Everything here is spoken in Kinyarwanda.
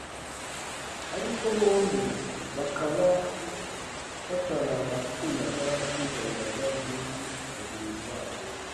ariko bombi bakaba batarakundaga kwigaragaza muri bagenzi babo